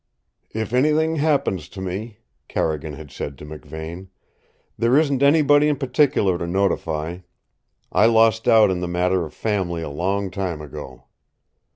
"If anything happens to me," Carrigan had said to McVane, "there isn't anybody in particular to notify. I lost out in the matter of family a long time ago."